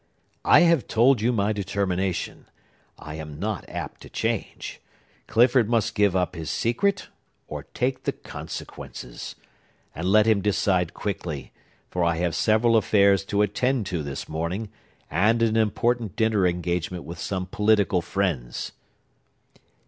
"I have told you my determination. I am not apt to change. Clifford must give up his secret, or take the consequences. And let him decide quickly; for I have several affairs to attend to this morning, and an important dinner engagement with some political friends."